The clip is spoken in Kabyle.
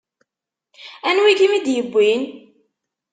Anwa i kem-id-iwwin?